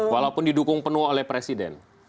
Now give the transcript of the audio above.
walaupun didukung penuh oleh presiden